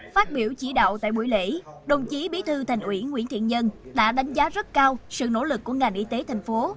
phát biểu chỉ đạo tại buổi lễ đồng chí bí thư thành ủy nguyễn thiện nhân đã đánh giá rất cao sự nỗ lực của ngành y tế thành phố